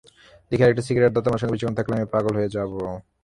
দেখি, আরেকটা সিগারেট দাও, তোমার সঙ্গে বেশিক্ষণ থাকলে আমিও পাগল হয়ে যাব।